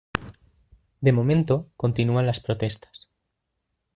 De momento, continúan las protestas.